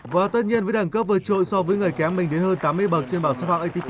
và tất nhiên với đẳng cấp vượt trội so với người kém mình đến hơn tám mươi bậc trên bảng xếp hạng atic